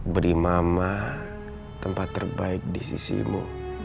beri mama tempat terbaik di sisimu